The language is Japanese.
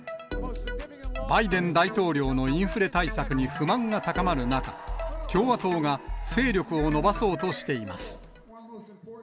バイデン大統領のインフレ対策に不満が高まる中、共和党が勢力を伸ばそうとしています。